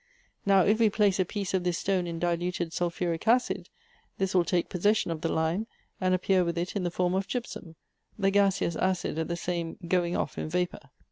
Now, if we place a piece of this stone in diluted sulphuric acid, this will take pos session of the lime, and appear with it in the form of gypsum, the gaseous acid at the same time going off in vapor.